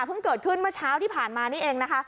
เกิดขึ้นเมื่อเช้าที่ผ่านมานี่เองนะคะ